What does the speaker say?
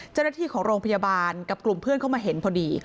เจ้าหน้าที่ของโรงพยาบาลกับกลุ่มเพื่อนเข้ามาเห็นพอดี